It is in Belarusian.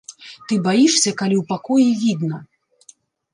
Ты баішся, калі ў пакоі відна.